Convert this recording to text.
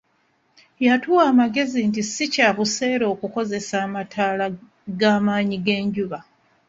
Yatuwa amagezi nti si kya buseere okukozesa amataala g'amaanyi g'enjuba.